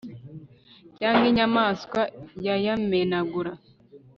cyangwa inyamaswa yayamenagura